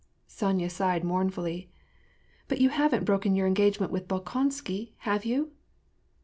Sonya sighed mournfully, —" But you haven't broken your engagement with Bolkonsky, have you